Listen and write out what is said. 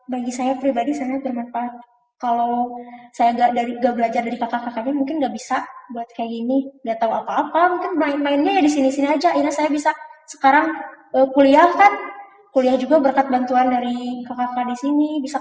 bagi saya pribadi sangat bermanfaat